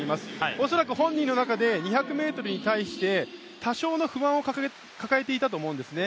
おそらく本人の中で２００ｍに対して多少の不安を抱えていたと思うんですね。